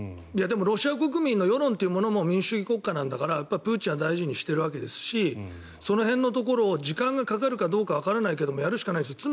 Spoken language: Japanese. でも、ロシア国民の世論というものも民主主義国家なんだからプーチンも大事にしてるしその辺のところを時間がかかるかどうかはわからないですがやるしかないです。